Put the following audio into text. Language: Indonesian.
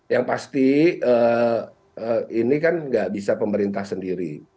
yang pasti ini kan nggak bisa pemerintah sendiri